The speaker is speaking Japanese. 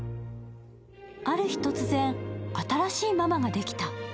ある日、突然、新しいママができた。